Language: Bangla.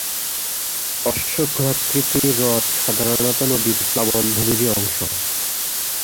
অশ্বক্ষুরাকৃতি হ্রদ সাধারণত নদীর প্লাবনভূমিরই অংশ।